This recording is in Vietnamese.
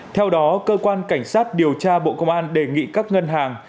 theo đó cơ quan cảnh sát điều tra bộ công an đề nghị các ngân hàng